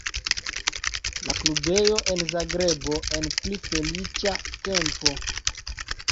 La klubejo en Zagrebo en pli feliĉa tempo.